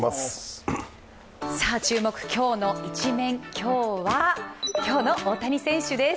注目「きょうのイチメン」、今日は今日の大谷選手です。